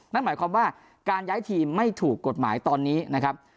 นั่นหมายความว่าการย้ายทีมไม่ถูกกฎหมายตอนนี้นะครับ